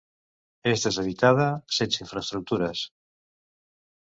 És deshabitada, sense infraestructures.